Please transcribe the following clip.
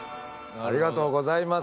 ありがとうございます。